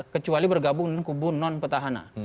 kecuali bergabung dengan kubu non petahana